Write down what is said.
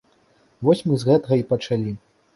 Вось мы з гэтага і пачалі.